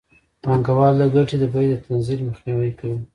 پانګوال د ګټې د بیې د تنزل مخنیوی کوي